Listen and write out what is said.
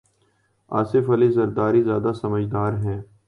آصف علی زرداری زیادہ سمجھدار ہیں۔